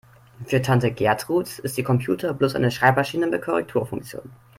Für Tante Gertrud ist ihr Computer bloß eine Schreibmaschine mit Korrekturfunktion.